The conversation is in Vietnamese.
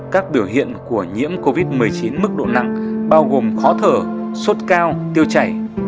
các biểu hiện của nhiễm covid một mươi chín mức độ nặng bao gồm khó thở sốt cao tiêu chảy